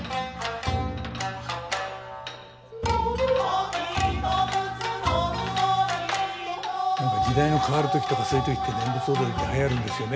南無阿弥陀仏南無阿弥陀何か時代が変わる時とかそういう時って念仏踊りってはやるんですよね。